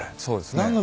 そうですね。